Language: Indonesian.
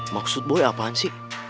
maksud boy apaan sih